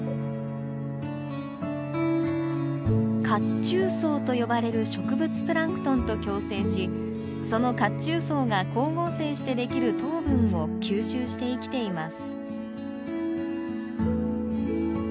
褐虫藻と呼ばれる植物プランクトンと共生しその褐虫藻が光合成してできる糖分を吸収して生きています。